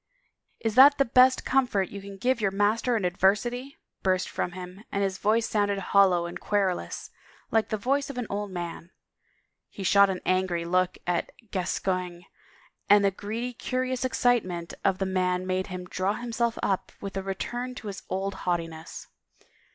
" Is that the best comfort you can give your master in adversity ?" burst from him and his voice sounded hollow and querulous like the voice of an old man. He shot an angry look at Gascoigne and the greedy, curious excitement of the man made him draw himself up with a return to his old haughtiness.